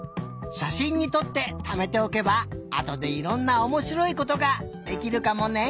しゃしんにとってためておけばあとでいろんなおもしろいことができるかもね。